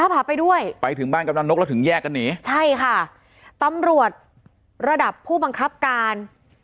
พาไปด้วยไปถึงบ้านกำลังนกแล้วถึงแยกกันหนีใช่ค่ะตำรวจระดับผู้บังคับการ